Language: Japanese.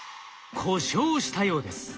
故障したようです。